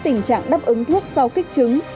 tình trạng đáp ứng thuốc sau kích chứng